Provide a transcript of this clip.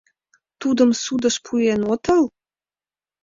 Тудым судыш пуэн отыл?